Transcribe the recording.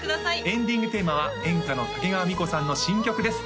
エンディングテーマは演歌の竹川美子さんの新曲です